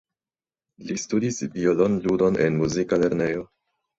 Li studis violon-ludon en muzika lernejo.